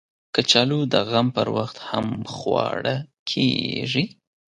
کچالو د غم پر وخت هم خواړه کېږي